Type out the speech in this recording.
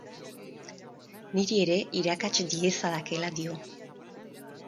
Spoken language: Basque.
Niri ere irakats diezadakeela dio.